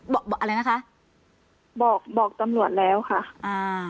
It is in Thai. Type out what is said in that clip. บอกบอกอะไรนะคะบอกบอกตำรวจแล้วค่ะอ่า